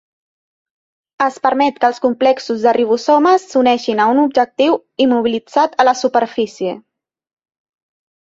Es permet que els complexos de ribosomes s'uneixin a un objectiu immobilitzat a la superfície.